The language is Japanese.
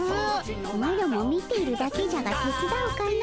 マロも見ているだけじゃがてつだうかの。